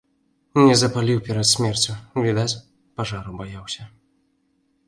Не запаліў перад смерцю, відаць, пажару баяўся.